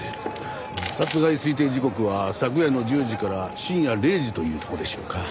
殺害推定時刻は昨夜の１０時から深夜０時というとこでしょうか。